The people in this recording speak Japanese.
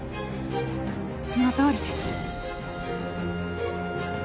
そのとおりです。